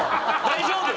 大丈夫？